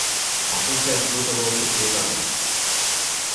Acum s-a introdus o nouă subtilitate.